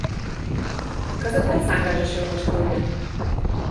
Кызытат саҥгаже шелмеш пуэнат...